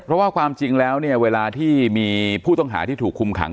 เพราะว่าความจริงแล้วเนี่ยเวลาที่มีผู้ต้องหาที่ถูกคุมขัง